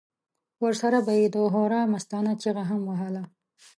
ورسره به یې د هورا مستانه چیغه هم وهله.